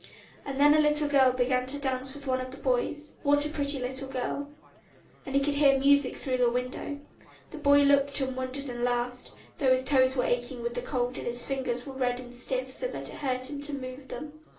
And then a little girl began dancing with one of the boys, what a pretty little girl! And he could hear the music through the window. The boy looked and wondered and laughed, though his toes were aching with the cold and his fingers were red and stiff so that it hurt him to move them.